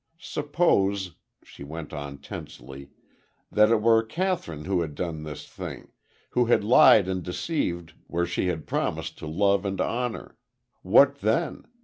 Suppose," she went on, tensely, "that it were Kathryn who had done this thing who had lied and deceived where she had promised to love and honor. What then?